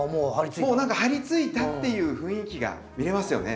もう何か張りついたっていう雰囲気が見れますよね。